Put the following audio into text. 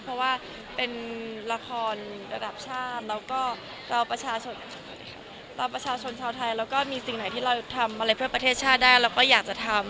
เพราะว่าเป็นละครระดับชาติแล้วก็เราประชาชนเราประชาชนชาวไทยแล้วก็มีสิ่งไหนที่เราทำอะไรเพื่อประเทศชาติได้เราก็อยากจะทำ